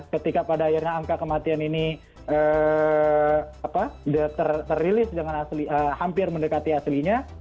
ketika pada akhirnya angka kematian ini terilis dengan hampir mendekati aslinya